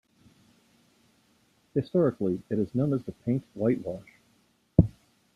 Historically, it is known as the paint whitewash.